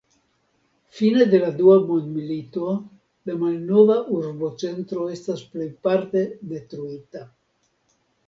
Fine de la Dua Mondmilito la malnova urbocentro estas plejparte detruita.